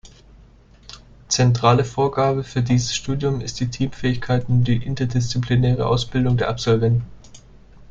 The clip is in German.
Zentrale Vorgabe für dieses Studium ist die Teamfähigkeit und die interdisziplinäre Ausbildung der Absolventen.